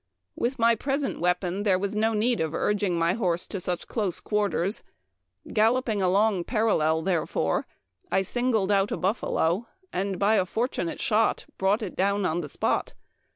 With my present weapon there was no need of urging my horse Memoir of Washington Irving. 225 to such close quarters ; galloping along parallel, therefore, I singled out a buffalo, and by a for tunate shot brought it down on the spot.